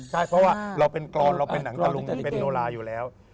ใช่เพราะว่าเราเป็นกรอนเราเป็นหนังตะลุงเป็นโนราอยู่แล้ว